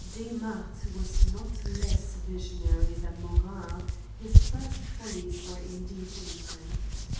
Desmarets was not less visionary than Morin : his first follies were indeed innocent.